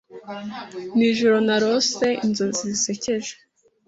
Nijoro narose inzozi zisekeje.